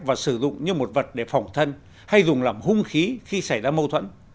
và sử dụng như một vật để phòng thân hay dùng làm hung khí khi xảy ra mâu thuẫn